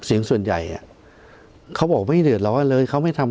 เสียงส่วนใหญ่